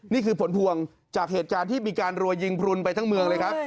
นี่คือผลพวงจากเหตุการณ์ที่มีการรวยยิงพลุนไปทั้งเมืองเลยครับ